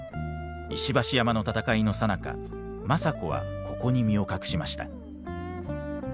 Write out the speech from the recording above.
石橋山の戦いのさなか政子はここに身を隠しました。